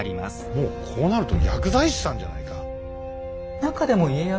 もうこうなると薬剤師さんじゃないか。